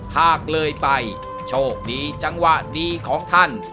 หากเลยไปโชคดีจังหวะดีของท่าน